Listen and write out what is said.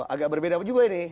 agak berbeda juga ini